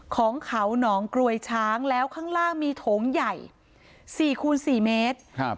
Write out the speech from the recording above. ของเขาหนองกรวยช้างแล้วข้างล่างมีโถงใหญ่๔คูณ๔เมตร